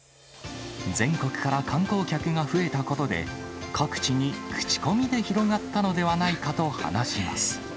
全国から観光客が増えたことで、各地に口コミで広がったのではないかと話します。